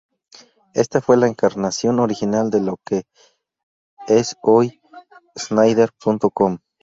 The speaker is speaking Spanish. Esta fue la encarnación original de lo que es hoy N-Sider.com.